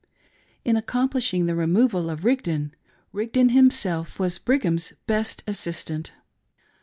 In accomplishing the removal of Rig don, Rigdon himself was Brigham's best assistant.